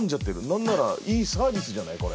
何ならいいサービスじゃないこれ。